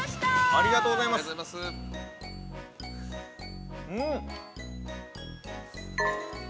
◆ありがとうございます、うん！